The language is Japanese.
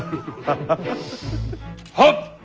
はっ！